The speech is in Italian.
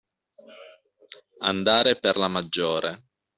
Andare per la maggiore.